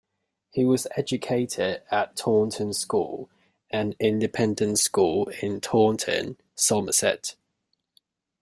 He was educated at Taunton School, an independent school in Taunton, Somerset.